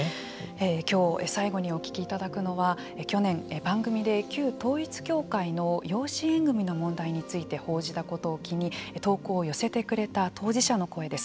今日、最後にお聞きいただくのは去年、番組で旧統一教会の養子縁組の問題について報じたことを機に投稿を寄せてくれた当事者の声です。